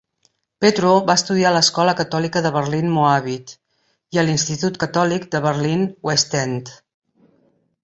Petruo va estudiar a l'escola catòlica de Berlin-Moabit i a l'institut catòlic de Berlin-Westend.